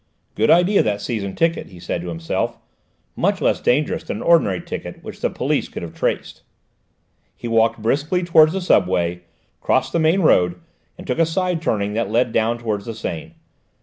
"Good idea, that season ticket," he said to himself; "much less dangerous than an ordinary ticket which the police could have traced." He walked briskly towards the subway, crossed the main road, and took a side turning that led down towards the Seine.